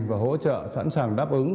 và hỗ trợ sẵn sàng đáp ứng